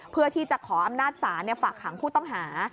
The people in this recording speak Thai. เพื่อที่จะขออำนาจศาลฝากขังผู้ต้องหา